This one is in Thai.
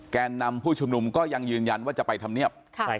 แกนนำผู้ชุมนุมก็ยังยืนยันว่าจะไปทำเนียบ